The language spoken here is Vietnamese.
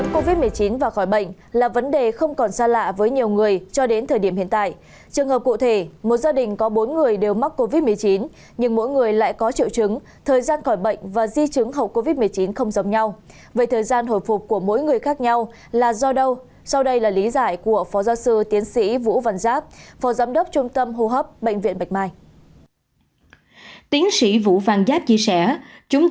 các bạn hãy đăng kí cho kênh lalaschool để không bỏ lỡ những video hấp dẫn